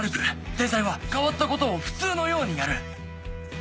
天才は変わったことを普通のようにやる」。